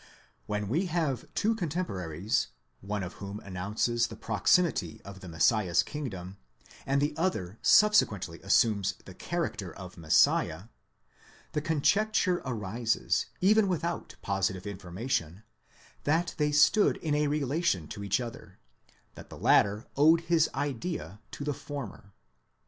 When we have two cotemporaries, of whom one announces the proximity of the Messiah's kingdom, and the other subsequently assumes the character of Messiah ; the conjecture arises, even without positive information, that they stood in a relation to each other— that the latter owed his idea to the former.